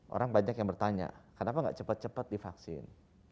orang banyak yang bertanya kenapa gak cepat cepat divaksin